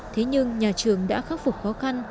thế nhưng nhà trường đã khắc phục khó khăn